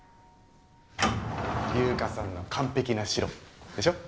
・優香さんの完璧な城でしょ？